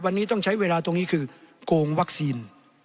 วันนี้ต้องใช้เวลาตรงนี้คือโกงวัคซีน